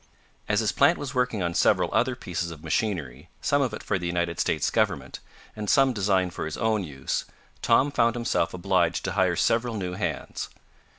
As his plant was working on several other pieces of machinery, some of it for the United States Government, and some designed for his own use, Tom found himself obliged to hire several new hands.